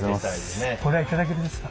これは頂けるんですか？